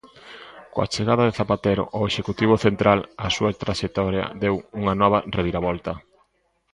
Coa chegada de Zapatero ao Executivo central, a súa traxectoria deu unha nova reviravolta.